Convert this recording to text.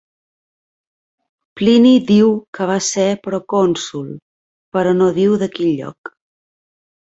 Plini diu que va ser procònsol, però no diu de quin lloc.